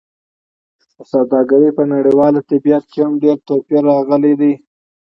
د سوداګرۍ په نړیوال طبیعت کې هم ډېر توپیر راغلی دی.